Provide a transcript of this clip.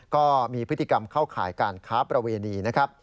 ก็มีพฤติกรรมเข้าข่ายการค้าประเวณีนะครับ